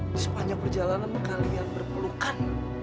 di sepanjang perjalanan kalian berpelukan